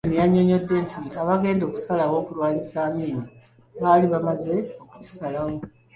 Museveni yannyonnyodde nti bagenda okusalawo okulwanyisa Amin baali bamaze okukisalawo.